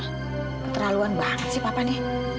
keterlaluan banget sih papa nih